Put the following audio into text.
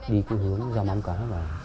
đi cái hướng ra móng cái